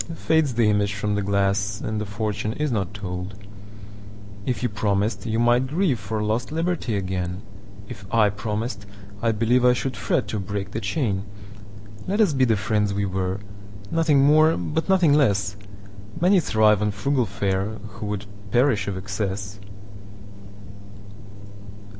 Fades the image from the glass, And the fortune is not told. If you promised, you might grieveFor lost liberty again:If I promised, I believeI should fret to break the chain. Let us be the friends we were, Nothing more but nothing less:Many thrive on frugal fareWho would perish of excess.